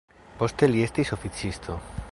Poste li estis oficisto.